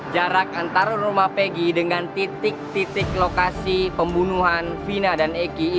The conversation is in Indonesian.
jarak antara rumah pegi dengan titik titik lokasi pembunuhan vina dan egy